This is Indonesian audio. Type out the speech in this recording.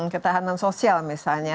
ketahanan sosial misalnya